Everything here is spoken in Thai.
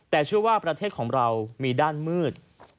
แต่เชื่อว่าประเทศของเรามีด้านมืด